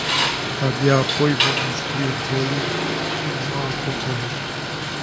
Abia apoi vom înscrie goluri, și nu autogoluri.